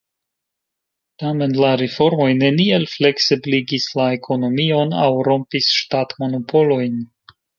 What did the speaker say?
Tamen la reformoj neniel fleksebligis la ekonomion aŭ rompis ŝtatmonopolojn.